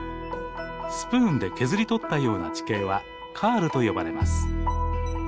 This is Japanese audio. スプーンで削り取ったような地形はカールと呼ばれます。